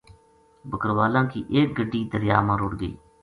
بکروالا ں کی ایک گڈی دریا ما رُڑھ گئی